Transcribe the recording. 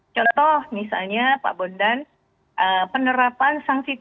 contoh misalnya pak bondan